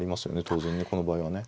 当然ねこの場合はね。